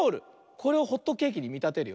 これをホットケーキにみたてるよ。